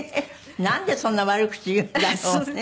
なんでそんな悪口言うんだろうね。